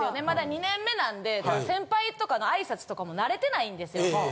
まだ２年目なんで先輩とかの挨拶とかも慣れてないんですよ。